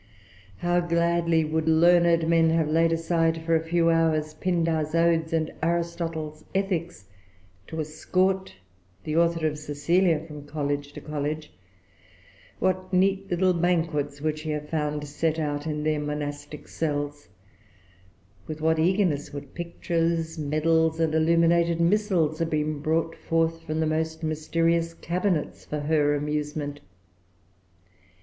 How gladly would learned men have laid aside for a few hours Pindar's Odes and Aristotle's Ethics, to escort the author of Cecilia from college to college! What neat little banquets would she have found set out[Pg 366] in their monastic cells! With what eagerness would pictures, medals, and illuminated missals have been brought forth from the most mysterious cabinets for her amusement!